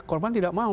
korban tidak mau